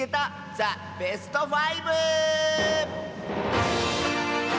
ザ・ベスト５」！